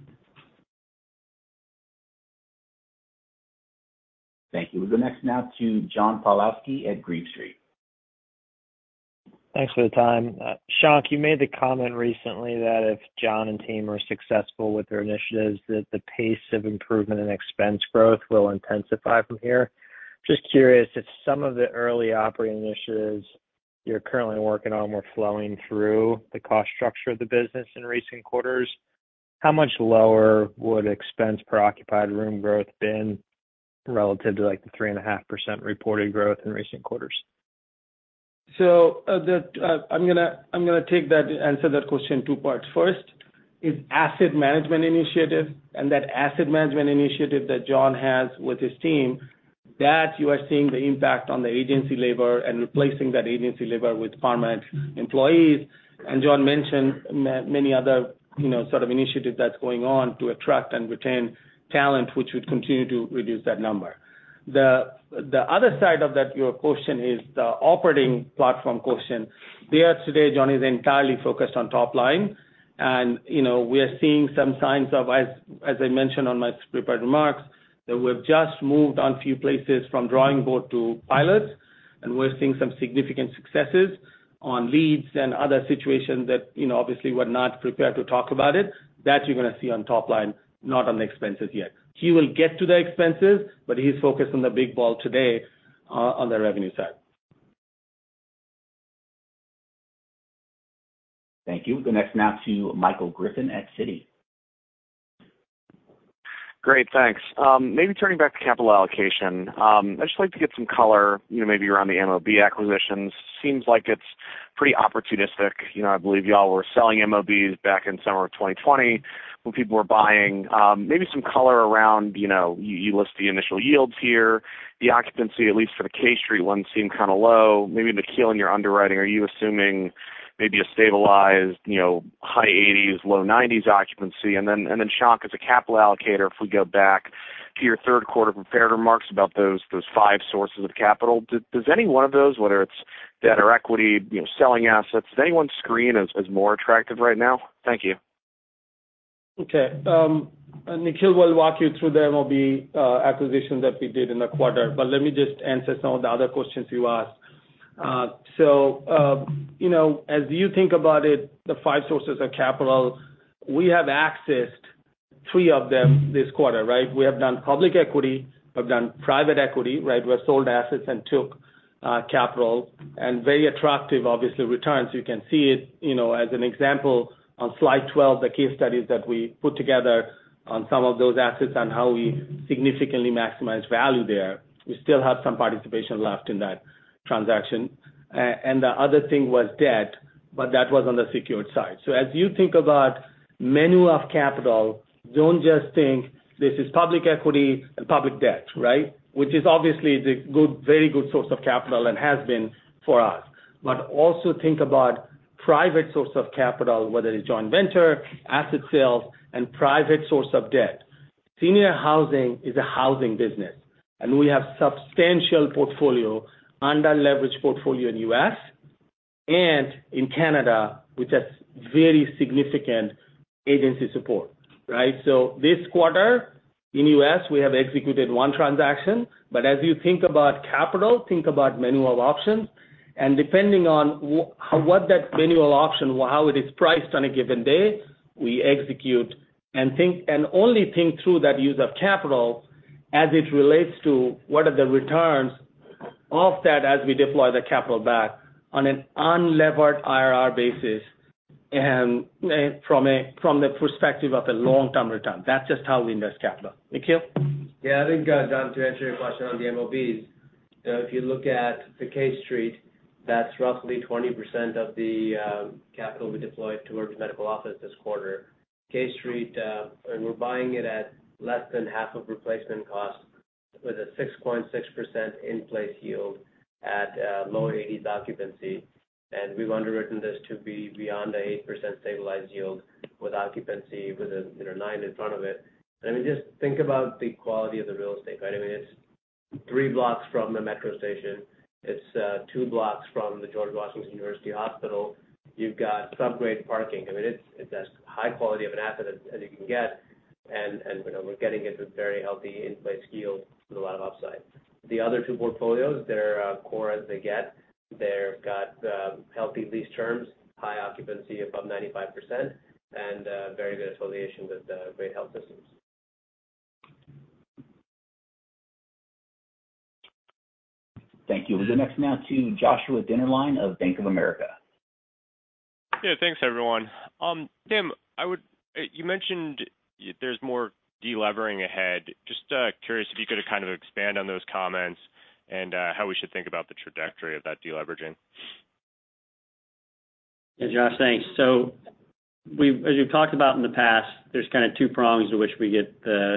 Thank you. We'll go next now to John Pawlowski at Green Street. Thanks for the time. Shankh, you made the comment recently that if John and team are successful with their initiatives, that the pace of improvement in expense growth will intensify from here. Just curious, if some of the early operating initiatives you're currently working on were flowing through the cost structure of the business in recent quarters, how much lower would Expense Per Occupied Room growth been relative to, like, the 3.5% reported growth in recent quarters? I'm gonna answer that question in two parts. First is asset management initiative, and that asset management initiative that John has with his team, that you are seeing the impact on the agency labor and replacing that agency labor with permanent employees. John mentioned many other, you know, sort of initiative that's going on to attract and retain talent, which would continue to reduce that number. The other side of that, your question is the operating platform question. There today, John is entirely focused on top line. You know, we are seeing some signs of, as I mentioned on my prepared remarks, that we've just moved on a few places from drawing board to pilot, and we're seeing some significant successes on leads and other situations that, you know, obviously, we're not prepared to talk about it. That you're gonna see on top line, not on the expenses yet. He will get to the expenses, but he's focused on the big ball today, on the revenue side. Thank you. We'll go next now to Michael Griffin at Citi. Great, thanks. Maybe turning back to capital allocation, I'd just like to get some color, you know, maybe around the MOB acquisitions. Seems like it's pretty opportunistic. You know, I believe y'all were selling MOBs back in summer of 2020 when people were buying. Maybe some color around, you know, you list the initial yields here. The occupancy, at least for the K Street one, seem kinda low. Maybe Nikhil, in your underwriting, are you assuming maybe a stabilized, you know, high 80s, low 90s occupancy? Shak, as a capital allocator, if we go back to your Q3 prepared remarks about those five sources of capital, does any one of those, whether it's debt or equity, you know, selling assets, does anyone screen as more attractive right now? Thank you. Okay. Nikhil will walk you through the MOB acquisition that we did in the quarter. Let me just answer some of the other questions you asked. You know, as you think about it, the five sources of capital, we have accessed three of them this quarter, right? We have done public equity, we've done private equity, right? We have sold assets and took capital and very attractive, obviously, returns. You can see it, you know, as an example on slide 12, the case studies that we put together on some of those assets on how we significantly maximize value there. We still have some participation left in that transaction. The other thing was debt, but that was on the secured side. As you think about menu of capital, don't just think this is public equity and public debt, right? Obviously the good, very good source of capital and has been for us. Also think about private source of capital, whether it's joint venture, asset sales, and private source of debt. Senior housing is a housing business, we have substantial portfolio, under-leveraged portfolio in U.S. and in Canada, with a very significant agency support, right? This quarter in U.S., we have executed one transaction. As you think about capital, think about menu of options. Depending on what that menu of option, how it is priced on a given day, we execute and think and only think through that use of capital as it relates to what are the returns of that as we deploy the capital back on an unlevered IRR basis. From the perspective of a long-term return. That's just how we invest capital. Nikhil? Yeah. I think, Don, to answer your question on the MOBs, if you look at the K Street, that's roughly 20% of the capital we deployed towards medical office this quarter. K Street, we're buying it at less than half of replacement cost with a 6.6% in-place yield at low 80s occupancy. We've underwritten this to be beyond an 8% stabilized yield with occupancy with a, you know, nine in front of it. I mean, just think about the quality of the real estate, right? I mean, it's three blocks from the Metro station. It's two blocks from The George Washington University Hospital. You've got some great parking. I mean, it's as high quality of an asset as you can get, and, you know, we're getting it with very healthy in-place yield with a lot of upside. The other two portfolios, they're core as they get. They've got healthy lease terms, high occupancy above 95% and very good association with great health systems. Thank you. We'll go next now to Joshua Dennerlein of Bank of America. Thanks everyone. Tim, you mentioned there's more de-levering ahead. Just curious if you could kind of expand on those comments and how we should think about the trajectory of that de-leveraging? Yeah, Josh, thanks. As we've talked about in the past, there's kind of two prongs in which we get the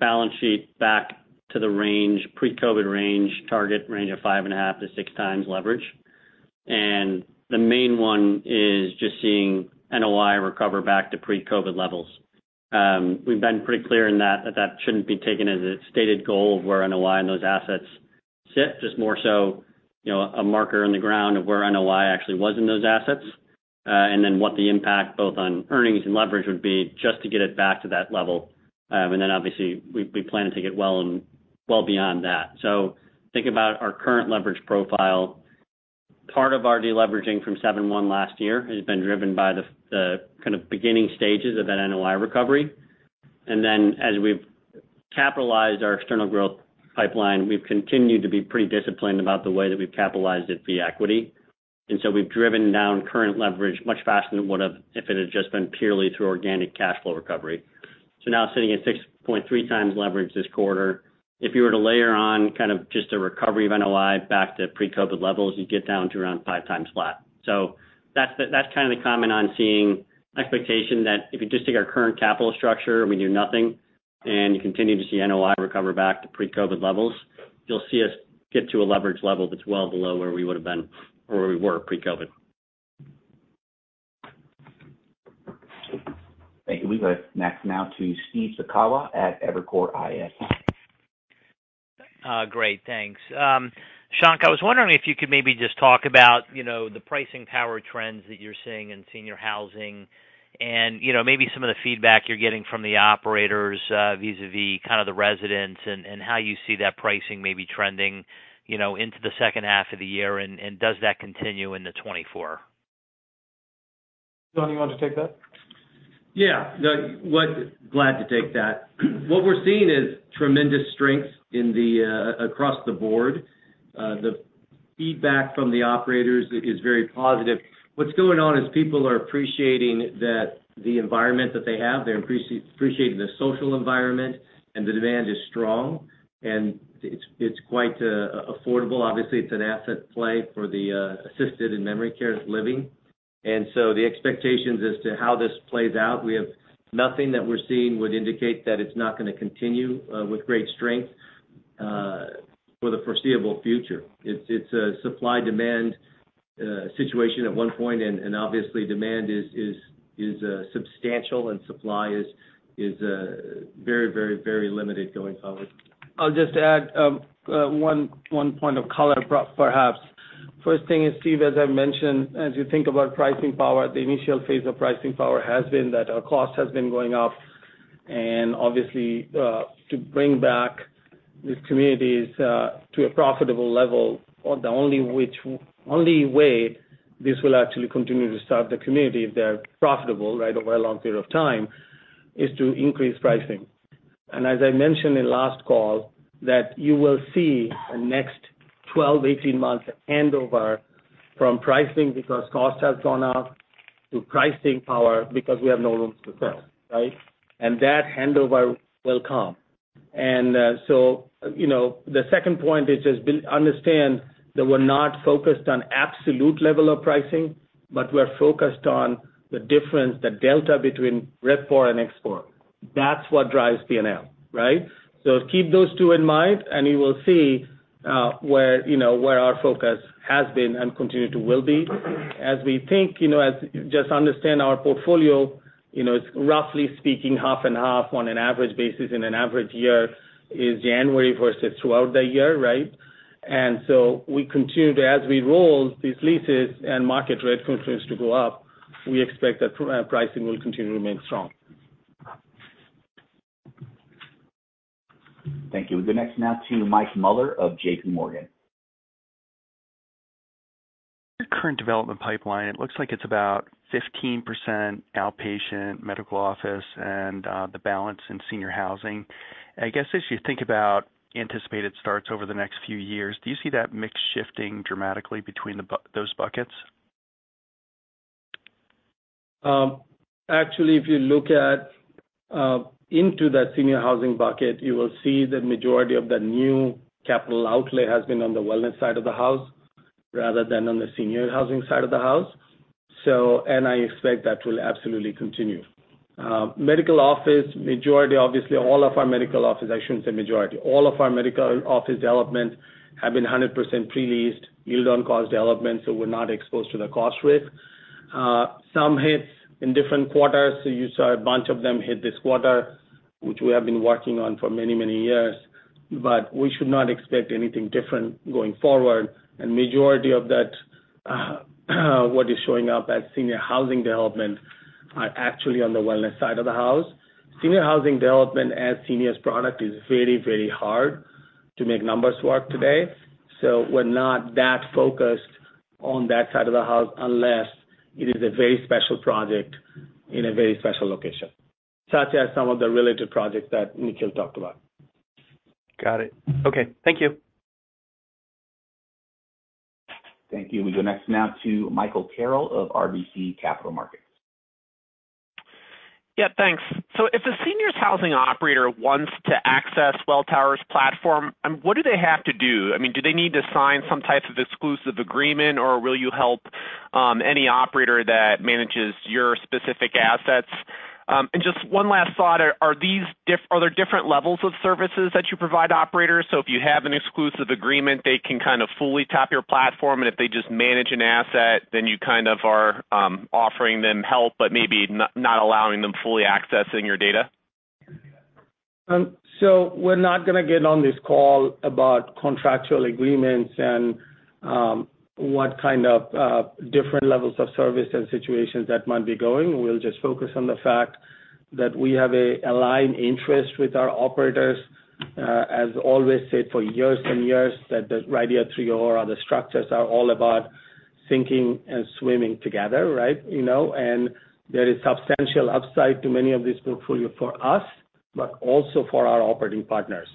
balance sheet back to the range, pre-COVID range, target range of 5.5 to six times leverage. The main one is just seeing NOI recover back to pre-COVID levels. We've been pretty clear in that shouldn't be taken as a stated goal of where NOI and those assets sit, just more so, you know, a marker on the ground of where NOI actually was in those assets, and then what the impact both on earnings and leverage would be just to get it back to that level. Obviously we plan to take it well and well beyond that. Think about our current leverage profile. Part of our de-leveraging from 7.1 last year has been driven by the kind of beginning stages of that NOI recovery. As we've capitalized our external growth pipeline, we've continued to be pretty disciplined about the way that we've capitalized it via equity. We've driven down current leverage much faster than it would've if it had just been purely through organic cash flow recovery. Now sitting at 6.3 times leverage this quarter. If you were to layer on kind of just a recovery of NOI back to pre-COVID levels, you'd get down to around five times flat. That's kind of the comment on seeing expectation that if you just take our current capital structure and we do nothing, and you continue to see NOI recover back to pre-COVID levels, you'll see us get to a leverage level that's well below where we would have been, or where we were pre-COVID. Thank you. We go next now to Steve Sakwa at Evercore ISI. Great. Thanks. Shankh, I was wondering if you could maybe just talk about, you know, the pricing power trends that you're seeing in senior housing and, you know, maybe some of the feedback you're getting from the operators, vis-a-vis kind of the residents and how you see that pricing maybe trending, you know, into the second half of the year, and does that continue into 2024? John, you want to take that? Yeah. No. Glad to take that. What we're seeing is tremendous strength in the across the board. The feedback from the operators is very positive. What's going on is people are appreciating that the environment that they have, they're appreciating the social environment, and the demand is strong, and it's quite affordable. Obviously, it's an asset play for the assisted and memory care living. The expectations as to how this plays out, we have nothing that we're seeing would indicate that it's not gonna continue with great strength for the foreseeable future. It's a supply/demand situation at one point, and obviously demand is substantial and supply is very limited going forward. I'll just add, one point of color perhaps. First thing is, Steve, as I mentioned, as you think about pricing power, the initial phase of pricing power has been that our cost has been going up. Obviously, to bring back these communities, to a profitable level, or the only way this will actually continue to serve the community if they are profitable, right, over a long period of time, is to increase pricing. As I mentioned in last call, that you will see the next 12 to 18 months handover from pricing because cost has gone up to pricing power because we have no rooms to sell, right? That handover will come. you know, the second point is just understand that we're not focused on absolute level of pricing, but we're focused on the difference, the delta between RevPOR and ExpPOR. That's what drives P&L, right? Keep those two in mind, and you will see, where, you know, where our focus has been and continue to will be. As we think, you know, just understand our portfolio, you know, is roughly speaking half and half on an average basis in an average year is January versus throughout the year, right? We continue to, as we roll these leases and market rent continues to go up, we expect that pricing will continue to remain strong. Thank you. The next now to Michael Mueller of JPMorgan. Your current development pipeline, it looks like it's about 15% outpatient medical office and the balance in senior housing. I guess as you think about anticipated starts over the next few years, do you see that mix shifting dramatically between those buckets? Actually, if you look at into that senior housing bucket, you will see the majority of the new capital outlay has been on the wellness side of the house rather than on the senior housing side of the house. I expect that will absolutely continue. Medical office, majority obviously all of our medical office, I shouldn't say majority. All of our medical office development have been 100% pre-leased, yield on cost development, we're not exposed to the cost risk. Some hits in different quarters. You saw a bunch of them hit this quarter, which we have been working on for many, many years. We should not expect anything different going forward. Majority of that, what is showing up as senior housing development are actually on the wellness side of the house. Senior housing development as seniors product is very, very hard to make numbers work today. We're not that focused on that side of the house unless it is a very special project in a very special location, such as some of the Related projects that Nikhil talked about. Got it. Okay. Thank you. Thank you. We go next now to Michael Carroll of RBC Capital Markets. Yeah, thanks. If a seniors housing operator wants to access Welltower's platform, what do they have to do? I mean, do they need to sign some type of exclusive agreement, or will you help any operator that manages your specific assets? Just one last thought. Are these different levels of services that you provide operators? If you have an exclusive agreement, they can kind of fully tap your platform, and if they just manage an asset, then you kind of are offering them help, but maybe not allowing them fully accessing your data. We're not gonna get on this call about contractual agreements and what kind of different levels of service and situations that might be going. We'll just focus on the fact that we have a aligned interest with our operators, as always said for years and years, that the RIDEA 3.0 or other structures are all about syncing and swimming together, right? You know. There is substantial upside to many of this portfolio for us, but also for our operating partners.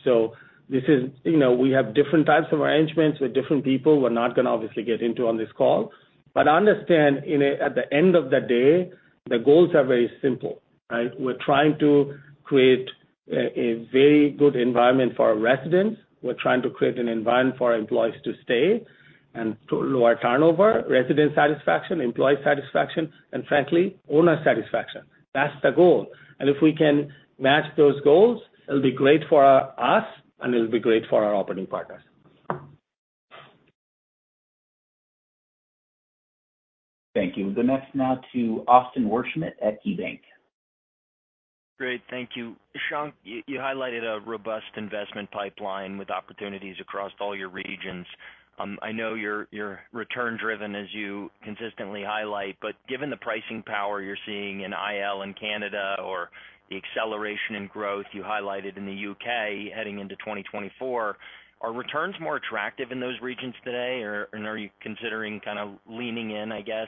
You know, we have different types of arrangements with different people. We're not gonna obviously get into on this call. Understand at the end of the day, the goals are very simple, right? We're trying to create a very good environment for our residents. We're trying to create an environment for our employees to stay and to lower turnover, resident satisfaction, employee satisfaction, and frankly, owner satisfaction. That's the goal. If we can match those goals, it'll be great for us, and it'll be great for our operating partners. Thank you. The next now to Austin Wurschmidt at KeyBanc. Great. Thank you. Shankh, you highlighted a robust investment pipeline with opportunities across all your regions. I know you're return driven as you consistently highlight, but given the pricing power you're seeing in IL and Canada or the acceleration in growth you highlighted in the UK heading into 2024, are returns more attractive in those regions today, or, and are you considering kind of leaning in, I guess,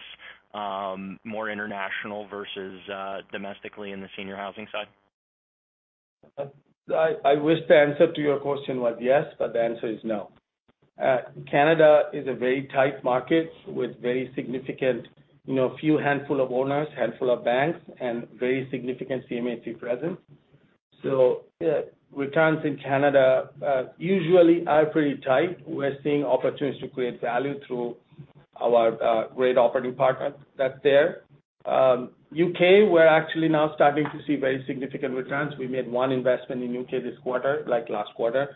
more international versus, domestically in the senior housing side? I wish the answer to your question was yes, but the answer is no. Canada is a very tight market with very significant, you know, few handful of owners, handful of banks, and very significant CMHC presence. Returns in Canada usually are pretty tight. We're seeing opportunities to create value through our great operating partners that's there. U.K., we're actually now starting to see very significant returns. We made one investment in U.K. this quarter, like last quarter,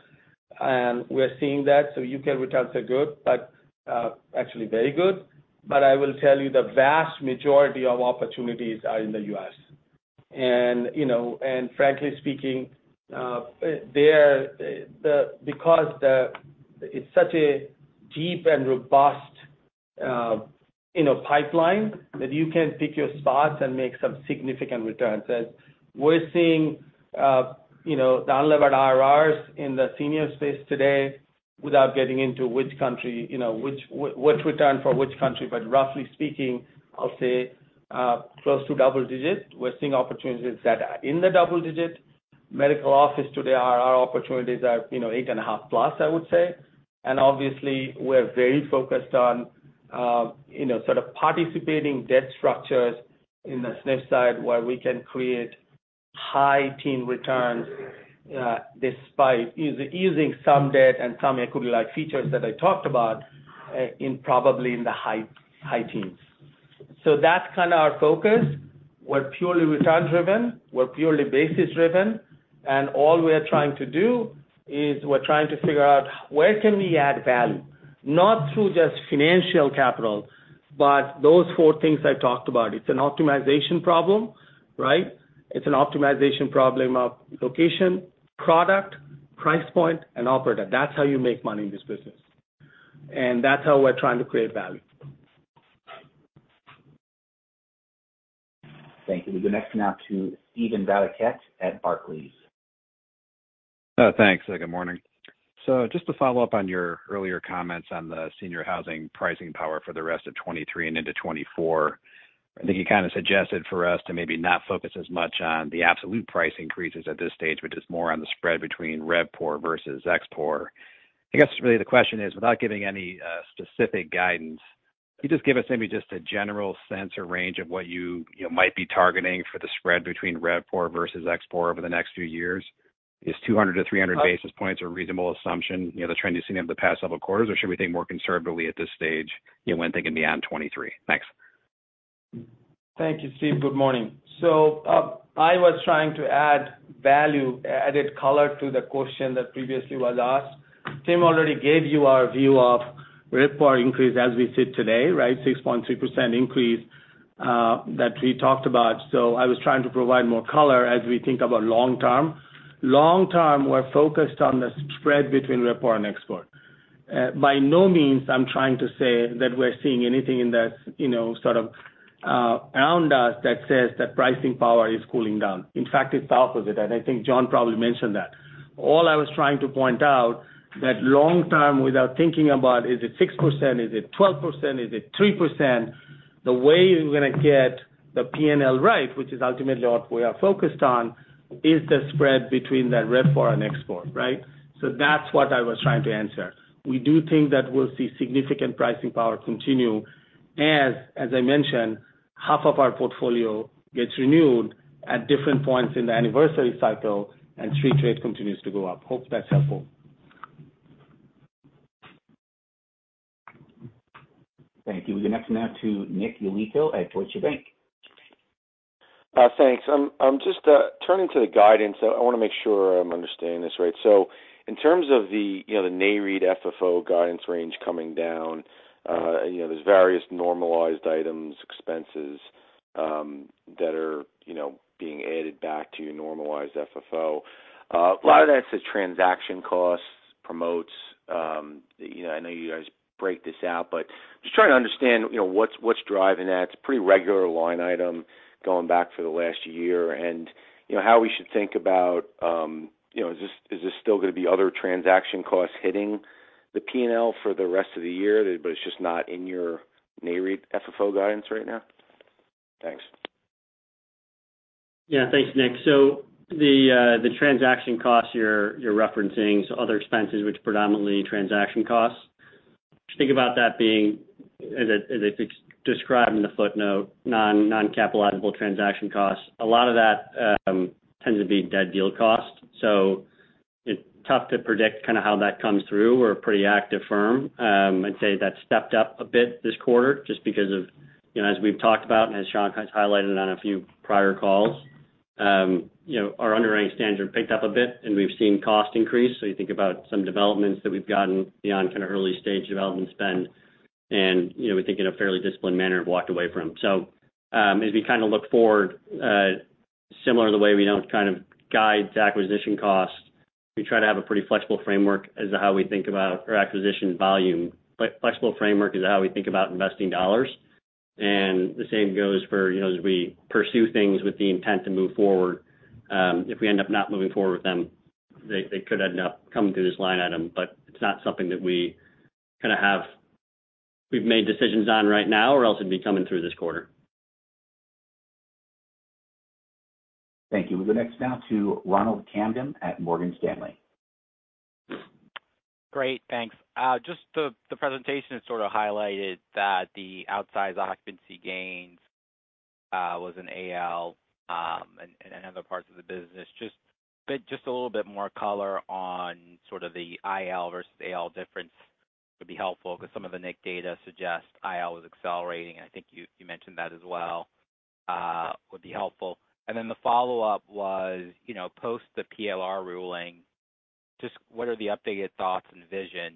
and we're seeing that. U.K. returns are good, but actually very good. I will tell you the vast majority of opportunities are in the U.S. You know, frankly speaking, it's such a deep and robust, you know, pipeline that you can pick your spots and make some significant returns. As we're seeing, you know, the unlevered IRRs in the senior space today without getting into which country, you know, which return for which country. Roughly speaking, I'll say close to double digit. We're seeing opportunities that are in the double digit. Medical office today, our IR opportunities are, you know, 8.5+, I would say. Obviously, we're very focused on, you know, sort of participating debt structures in the SNF side where we can create high-teen returns, despite using some debt and some equity-like features that I talked about in probably in the high teens. That's kind of our focus. We're purely return driven, we're purely basis driven. All we are trying to do is we're trying to figure out where can we add value, not through just financial capital, but those four things I talked about. It's an optimization problem, right? It's an optimization problem of location, product, price point, and operator. That's how you make money in this business. That's how we're trying to create value. Thank you. We go next now to Steven Valiquette at Barclays. Thanks. Good morning. Just to follow up on your earlier comments on the senior housing pricing power for the rest of 2023 and into 2024, I think you kinda suggested for us to maybe not focus as much on the absolute price increases at this stage, but just more on the spread between RevPOR versus ExPOR. I guess really the question is, without giving any specific guidance, can you just give us maybe just a general sense or range of what you know, might be targeting for the spread between RevPOR versus ExpPOR over the next few years? Is 200-300 basis points a reasonable assumption, you know, the trend you've seen over the past several quarters, or should we think more conservatively at this stage, you know, when thinking beyond 2023? Thanks. Thank you, Steve. Good morning. I was trying to add value, added color to the question that previously was asked. Tim already gave you our view of RevPOR increase as we sit today, right? 6.3% increase that we talked about. I was trying to provide more color as we think about long term. Long term, we're focused on the spread between RevPOR and ExpPOR. By no means I'm trying to say that we're seeing anything in that, you know, sort of, around us that says that pricing power is cooling down. In fact, it's the opposite, and I think John probably mentioned that. All I was trying to point out that long term, without thinking about is it 6%, is it 12%, is it 3%, the way you're gonna get the P&L right, which is ultimately what we are focused on, is the spread between that RevPOR and ExpPOR, right? That's what I was trying to answer. We do think that we'll see significant pricing power continue as I mentioned, half of our portfolio gets renewed at different points in the anniversary cycle, and street trade continues to go up. Hope that's helpful. Thank you. We go next now to Omotayo Okusanya at Deutsche Bank. Thanks. I'm just turning to the guidance. I wanna make sure I'm understanding this right. In terms of the, you know, the NAREIT FFO guidance range coming down, you know, there's various normalized items, expenses, that are, you know, being added back to your normalized FFO. A lot of that's the transaction costs, promotes, you know, I know you guys break this out, but just trying to understand, you know, what's driving that. It's a pretty regular line item going back for the last year. You know, how we should think about, you know, is this still gonna be other transaction costs hitting the P&L for the rest of the year, but it's just not in your NAREIT FFO guidance right now? Thanks. Yeah. Thanks, Nick. The transaction costs you're referencing, so other expenses, which are predominantly transaction costs, just think about that being as it's described in the footnote, non-non-capitalizable transaction costs. A lot of that tends to be dead deal costs. It's tough to predict kind of how that comes through. We're a pretty active firm. I'd say that stepped up a bit this quarter just because of, you know, as we've talked about and as Shankh kind of highlighted on a few prior calls, you know, our underwriting standards have picked up a bit, and we've seen costs increase. You think about some developments that we've gotten beyond kind of early stage development spend, and, you know, we think in a fairly disciplined manner, have walked away from. As we kind of look forward, similar to the way we don't kind of guide to acquisition costs, we try to have a pretty flexible framework as to how we think about our acquisition volume. Flexible framework is how we think about investing dollars. The same goes for, you know, as we pursue things with the intent to move forward. If we end up not moving forward with them, they could end up coming through this line item. It's not something that we've made decisions on right now, or else it'd be coming through this quarter. Thank you. We'll go next now to Ronald Kamdem at Morgan Stanley. Great. Thanks. Just the presentation sort of highlighted that the outsized occupancy gains was in AL and in other parts of the business. Just a little bit more color on sort of the IL versus AL difference would be helpful, 'cause some of the NIC data suggests IL was accelerating, and I think you mentioned that as well, would be helpful. Then the follow-up was, you know, post the PLR ruling, just what are the updated thoughts and vision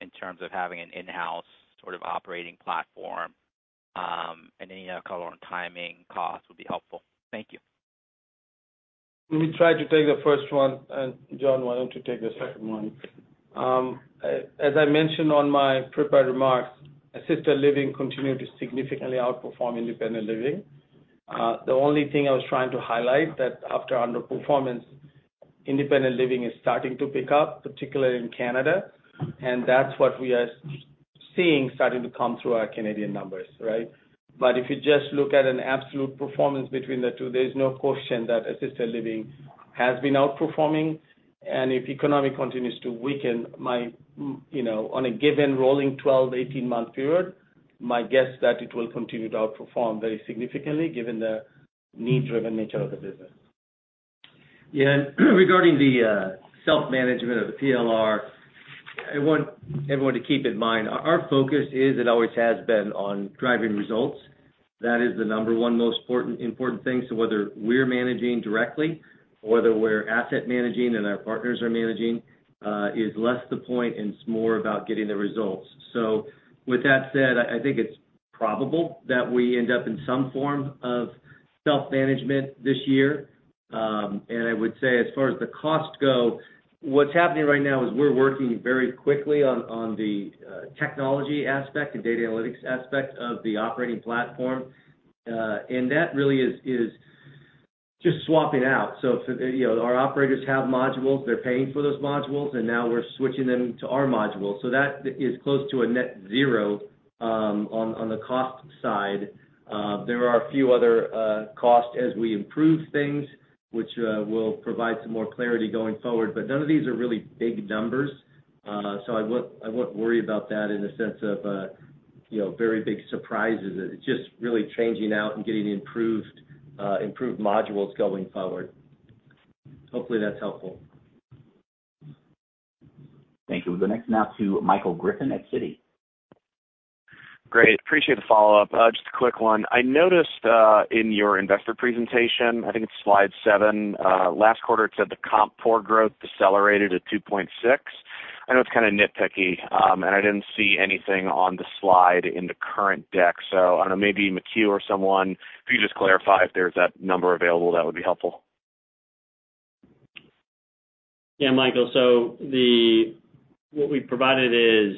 in terms of having an in-house sort of operating platform, and any color on timing costs would be helpful. Thank you. Let me try to take the first one. John why don't you take the second one? As I mentioned on my prepared remarks, assisted living continued to significantly outperform independent living. The only thing I was trying to highlight that after underperformance, independent living is starting to pick up, particularly in Canada, that's what we are seeing starting to come through our Canadian numbers, right? If you just look at an absolute performance between the two, there's no question that assisted living has been outperforming. If economic continues to weaken, my, you know, on a given rolling 12-18 month period, my guess is that it will continue to outperform very significantly given the need-driven nature of the business. Regarding the self-management of the PLR, I want everyone to keep in mind, our focus is, it always has been, on driving results. That is the number one most important thing. Whether we're managing directly or whether we're asset managing and our partners are managing, is less the point, and it's more about getting the results. With that said, I think it's probable that we end up in some form of self-management this year. I would say as far as the costs go, what's happening right now is we're working very quickly on the technology aspect and data analytics aspect of the operating platform. That really is just swapping out. For, you know, our operators have modules, they're paying for those modules, and now we're switching them to our modules. That is close to a net zero on the cost side. There are a few other costs as we improve things, which will provide some more clarity going forward. None of these are really big numbers. I wouldn't worry about that in the sense of, you know, very big surprises. It's just really changing out and getting improved improved modules going forward. Hopefully, that's helpful. Thank you. The next now to Michael Griffin at Citi. Great. Appreciate the follow-up. Just a quick one. I noticed in your investor presentation, I think it's slide seven, last quarter it said the comp pool growth decelerated at 2.6%. I know it's kind of nitpicky, and I didn't see anything on the slide in the current deck. I don't know, maybe Matthew or someone, if you just clarify if there's that number available, that would be helpful. Yeah, Michael. What we provided is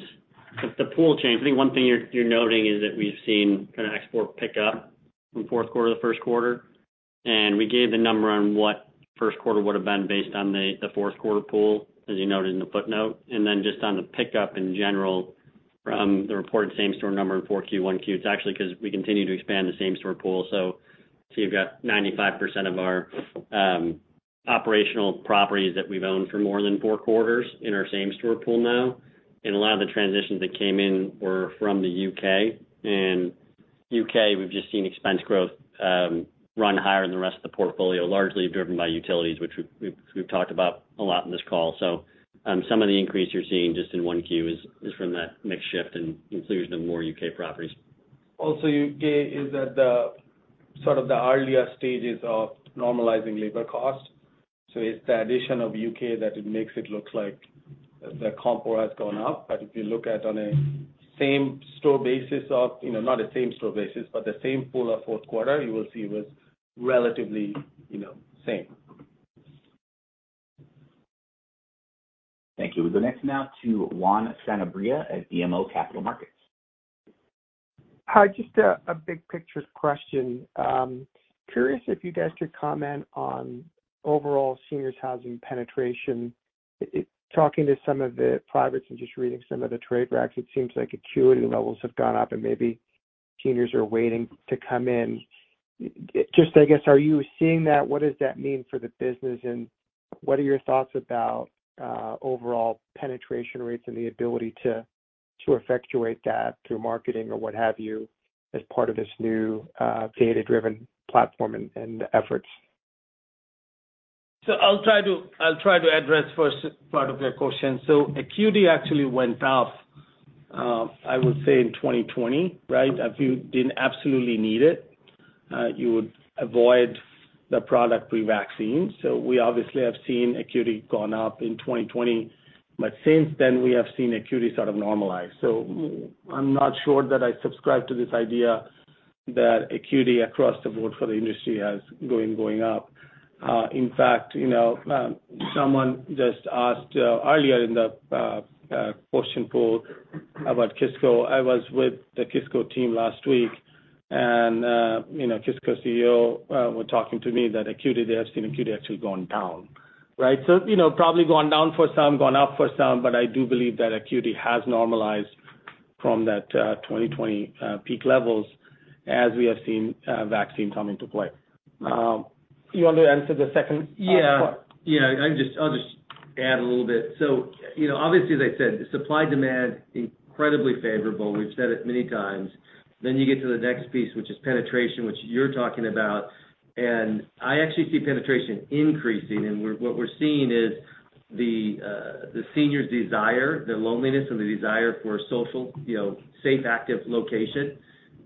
the pool change. I think one thing you're noting is that we've seen kind of ExpPOR pick up from Q4 to Q1. We gave the number on what Q1 would have been based on the Q4 pool, as you noted in the footnote. Then just on the pickup in general from the reported same-store number in Q4, Q1, it's actually 'cause we continue to expand the same-store pool. You've got 95% of our operational properties that we've owned for more than four quarters in our same-store pool now. A lot of the transitions that came in were from the U.K. U.K., we've just seen expense growth run higher than the rest of the portfolio, largely driven by utilities, which we've talked about a lot in this call. Some of the increase you're seeing just in Q1 is from that mix shift and inclusion of more U.K. properties. UK is at the sort of the earlier stages of normalizing labor costs. It's the addition of UK that it makes it look like the compo has gone up. If you look at on a same-store basis of, you know, not the same-store basis, but the same pool of Q4, you will see it was relatively, you know, same. Thank you. The next now to Juan Sanabria at BMO Capital Markets. Hi, just a big picture question. Curious if you guys could comment on overall seniors housing penetration. Talking to some of the privates and just reading some of the trade racks, it seems like acuity levels have gone up and maybe seniors are waiting to come in. Just I guess, are you seeing that? What does that mean for the business? What are your thoughts about overall penetration rates and the ability to effectuate that through marketing or what have you, as part of this new data-driven platform and efforts? I'll try to, I'll try to address first part of your question. Acuity actually went up, I would say in 2020, right? If you didn't absolutely need it, you would avoid the product pre-vaccine. We obviously have seen acuity gone up in 2020, but since then, we have seen acuity sort of normalize. I'm not sure that I subscribe to this idea that acuity across the board for the industry has going up. In fact, you know, someone just asked earlier in the question pool about Kisco. I was with the Kisco team last week and, you know, Kisco CEO were talking to me that acuity, they have seen acuity actually gone down, right? You know, probably gone down for some, gone up for some, but I do believe that acuity has normalized from that, 2020, peak levels as we have seen, vaccine come into play. You want to answer the second part? Yeah. I'll just add a little bit. You know, obviously, as I said, supply demand incredibly favorable. We've said it many times. You get to the next piece, which is penetration, which you're talking about. I actually see penetration increasing. What we're seeing is the seniors desire, the loneliness and the desire for social, you know, safe, active location,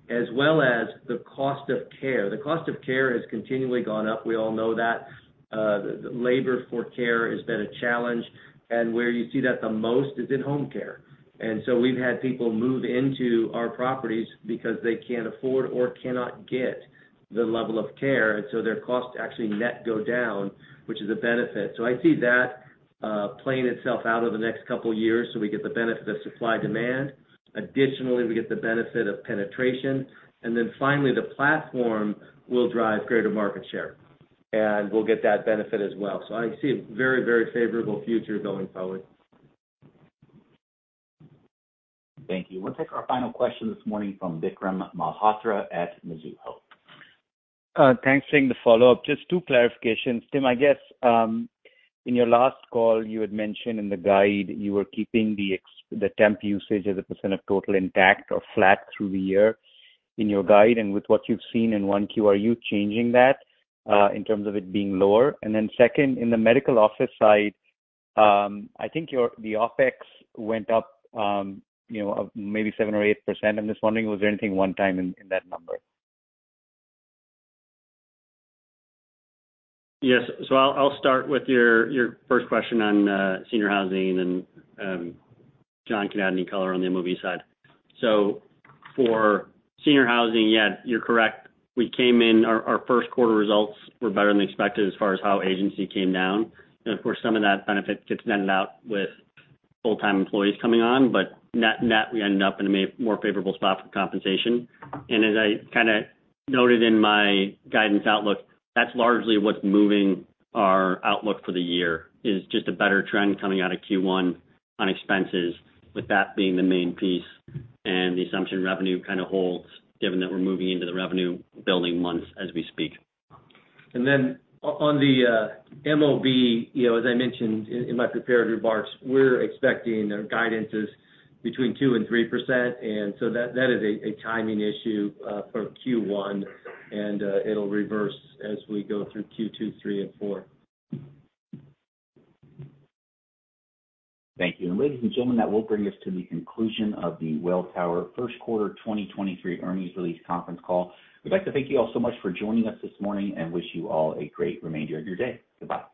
as well as the cost of care. The cost of care has continually gone up. We all know that. Labor for care has been a challenge. Where you see that the most is in home care. We've had people move into our properties because they can't afford or cannot get the level of care. Their costs actually net go down, which is a benefit. I see that playing itself out over the next couple of years, so we get the benefit of supply demand. Additionally, we get the benefit of penetration. Then finally, the platform will drive greater market share, and we'll get that benefit as well. I see a very, very favorable future going forward. Thank you. We'll take our final question this morning from Vikram Malhotra at Mizuho. Thanks for the follow-up. Just two clarifications. Tim, I guess, in your last call, you had mentioned in the guide you were keeping the temp usage as a percent of total intact or flat through the year in your guide. With what you've seen in Q1, are you changing that, in terms of it being lower? Second, in the medical office side, I think the OpEx went up, you know, maybe 7% or 8%. I'm just wondering, was there anything one time in that number? Yes. I'll start with your first question on senior housing, and John can add any color on the MOB side. For senior housing, yeah, you're correct. We came in, our Q1 results were better than expected as far as how agency came down. Of course, some of that benefit gets netted out with full-time employees coming on. Net, we ended up in a more favorable spot for compensation. As I kinda noted in my guidance outlook, that's largely what's moving our outlook for the year. Is just a better trend coming out of Q1 on expenses, with that being the main piece. The assumption revenue kinda holds given that we're moving into the revenue building months as we speak. Then on the MOB, you know, as I mentioned in my prepared remarks, we're expecting guidances between 2% and 3%. So that is a timing issue for Q1, and it'll reverse as we go through Q2, Q3 and Q4. Thank you. Ladies and gentlemen, that will bring us to the conclusion of the Welltower Q1 2023 earnings release conference call. We'd like to thank you all so much for joining us this morning and wish you all a great remainder of your day. Goodbye